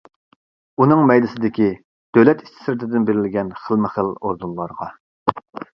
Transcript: ئۇنىڭ مەيدىسىدىكى دۆلەت ئىچى-سىرتىدىن بېرىلگەن خىلمۇ-خىل ئوردېنلارغا.